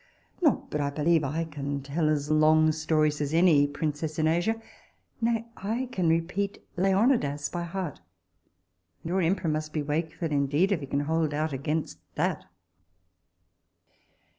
not but I believe I can tell as long stories as any princess in Asia. Nay, I can repeat Leonidas by heart, and your emperor must be wakeful indeed if he can hold out against that.